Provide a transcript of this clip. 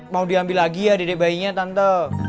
mau diambil lagi ya dedek bayinya tante